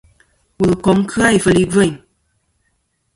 Wul ncum kɨ-a ifel i ŋweni.